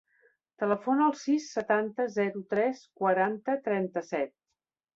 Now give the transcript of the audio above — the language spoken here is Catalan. Telefona al sis, setanta, zero, tres, quaranta, trenta-set.